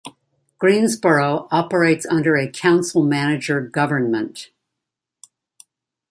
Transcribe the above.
Greensboro operates under a council-manager government.